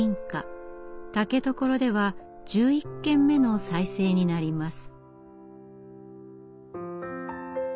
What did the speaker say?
竹所では１１軒目の再生になります。